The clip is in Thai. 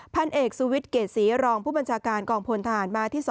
พันเอกสุวิทย์เกรดศรีรองผู้บัญชาการกองพลทหารมาที่๒